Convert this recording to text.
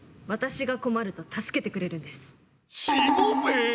私が困ると助けてくれるんです。